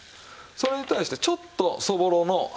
それに対してちょっとそぼろの。